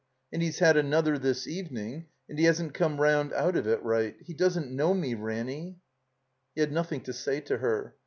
And he's had another this evening, and he hasn't come rotmd out of it right. He doesn't know me, Ranny." He had nothing to say to her.